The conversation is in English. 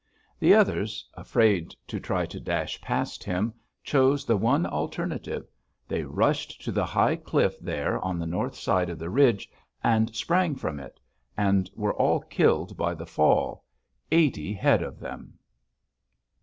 The others, afraid to try to dash past him, chose the one alternative: they rushed to the high cliff there on the north side of the ridge, and sprang from it, and were all killed by the fall, eighty head of them!